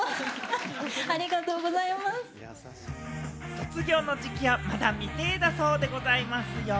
卒業の時期はまだ未定だそうでございますよ！